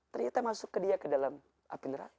ternyata masuk ke dia ke dalam api neraka